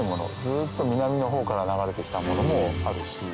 ずっと南のほうから流れて来たものもあるし。